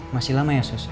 masih lama ya sus